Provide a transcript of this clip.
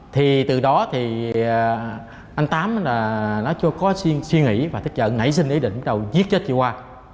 thì từ đó anh tám có suy nghĩ và thích chận nảy sinh ý định đầu giết chết chị khoa